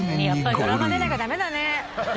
やっぱりドラマ出なきゃダメだね。